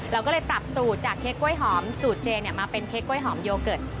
เราก็เลยปรับสูตรจากเค้กกล้วยหอมสูตรเจมาเป็นเค้กกล้วยหอมโยเกิร์ต